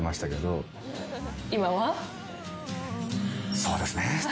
「そうですよね。